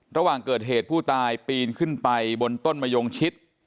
ระหว่างเกิดเหตุผู้ตายปีนขึ้นไปบนต้นมะยงชิด